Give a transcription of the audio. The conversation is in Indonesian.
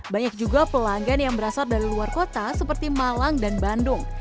banyak juga pelanggan yang berasal dari luar kota seperti malang dan bandung